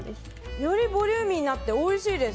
よりボリューミーになっておいしいです。